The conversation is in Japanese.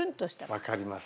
わかります。